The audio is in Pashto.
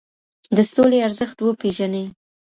د سولي ارزښت وپیرژنئ.